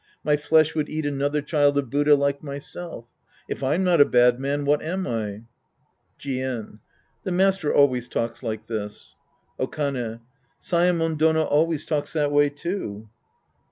My flesh would eat another child of Buddha like myself If I'm not a bad man, what am. I ? Jien. The master always talks like this. Okane. Saemon Dono always talks that way, too.